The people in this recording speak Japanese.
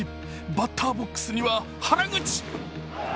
バッターボックスには原口。